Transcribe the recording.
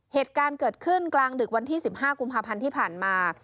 เหตุการณ์เกิดขึ้นกลางดึกวันที่๑๕กุมภาพันธ์ที่ผ่านมา